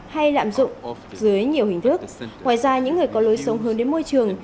hay lạm dụng dưới nhiều hình thức ngoài ra những người có lối sống hướng đến môi trường